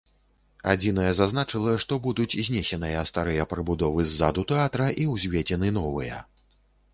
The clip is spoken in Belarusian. Адзінае зазначыла, што будуць знесеныя старыя прыбудовы ззаду тэатра і ўзведзены новыя.